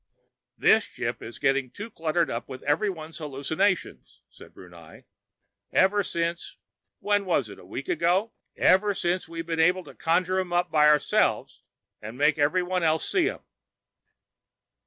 "This ship is getting too cluttered up with everyone's hallucinations," said Brunei. "Ever since ... when was it, a week ago?... ever since we've been able to conjure 'em up by ourselves, and make everyone else see 'em."